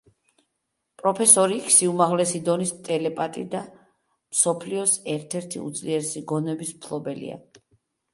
პროფესორი იქსი უმაღლესი დონის ტელეპათი და მსოფლიოს ერთ-ერთი უძლიერესი გონების მფლობელია.